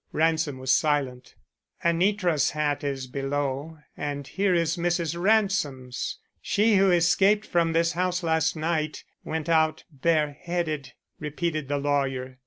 Ransom was silent. "Anitra's hat is below and here is Mrs. Ransom's. She who escaped from this house last night went out bare headed," repeated the lawyer.